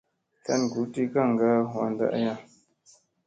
Tlan guɗi kakŋga wanda aya.